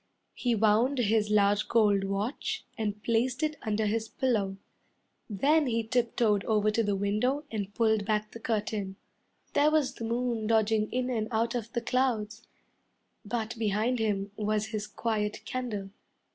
He wound his large gold watch And placed it under his pillow. Then he tiptoed over to the window and pulled back the curtain. There was the moon dodging in and out of the clouds; But behind him was his quiet candle.